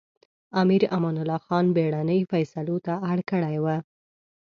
امیر امان الله خان بېړنۍ فېصلو ته اړ کړی و.